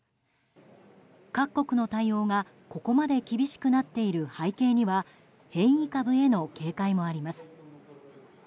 各国の対応が、ここまで厳しくなっている背景には変異株への警戒もあります。